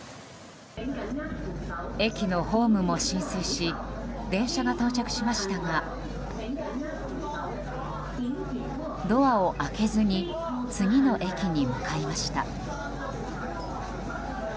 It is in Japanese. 駅のホームも浸水し電車が到着しましたがドアを開けずに次の駅に向かいました。